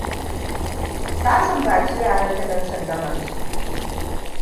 Ta sunbaci yaran ta don sallamar su.